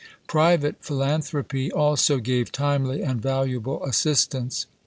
Private philanthropy also gave timely and valuable assistance.